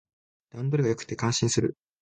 段取りが良くて感心する